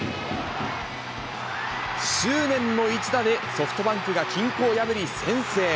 執念の一打で、ソフトバンクが均衡を破り、先制。